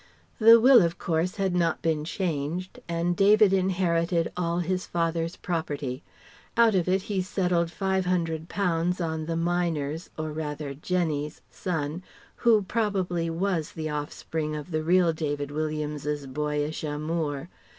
The will, of course, had not been changed, and David inherited all his "father's" property. Out of it he settled £500 on the miner's or rather Jenny's son who probably was the offspring of the real David Williams's boyish amour.